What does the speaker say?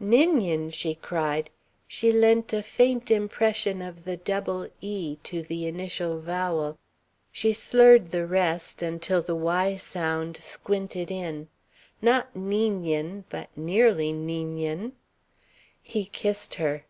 "Ninian!" she cried. She lent a faint impression of the double e to the initial vowel. She slurred the rest, until the y sound squinted in. Not Neenyun, but nearly Neenyun. He kissed her.